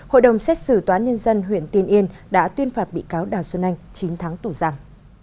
hội đồng xét xử tòa án nhân dân huyện tiên yên đã tuyên phạt bị cáo đào xuân anh chín tháng tù giam